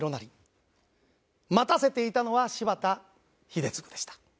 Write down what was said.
待たせていたのは柴田英嗣でした。